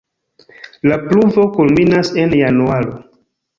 La pluvo kulminas en januaro.